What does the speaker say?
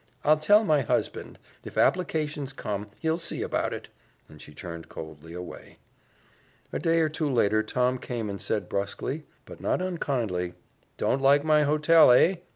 I'll tell my husband. If applications come, he'll see about it," and she turned coldly away. A day or two later Tom came and said brusquely, but not unkindly, "Don't like my hotel, hey?